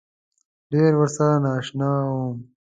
ډېر ورسره نا اشنا وم.